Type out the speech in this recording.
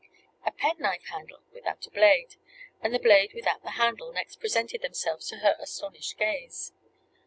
A penknife handle without a blade, and the blade without the handle, next presented themselves to her astonished gaze.